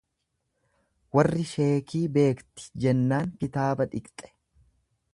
Warri sheekii beekti jennaan kitaaba dhiqxe.